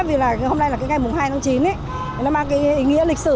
vì hôm nay là ngày hai tháng chín nó mang ý nghĩa lịch sử